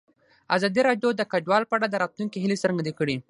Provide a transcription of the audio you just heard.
ازادي راډیو د کډوال په اړه د راتلونکي هیلې څرګندې کړې.